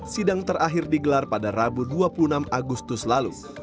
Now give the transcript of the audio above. sidang terakhir digelar pada rabu dua puluh enam agustus lalu